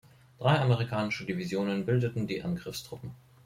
Drei amerikanische Divisionen bildeten die Angriffstruppen.